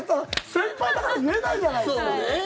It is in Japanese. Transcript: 先輩だから言えないじゃないですか。